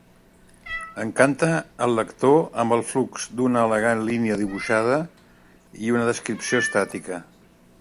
Encanta al lector amb el flux d'una elegant línia dibuixada i una descripció estàtica.